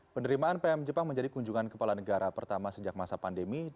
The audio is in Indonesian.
penerimaan pm jepang menjadi kunjungan kepala negara pertama sejak masa pandemi